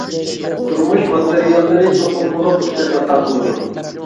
تۇرمۇش ماتېرىياللىرى توقۇلمىغا پۇرسەت ئاتا قىلىدۇ.